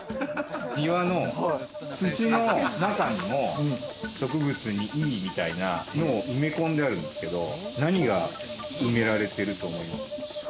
庭の土の中にも植物にいいみたいなのを埋め込んであるんですけれども、何が埋められていると思います。